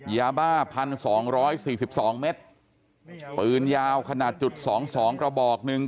ยาบ้าพันสองร้อยสี่สิบสองเมตรปืนยาวขนาดจุดสองสองกระบอกหนึ่ง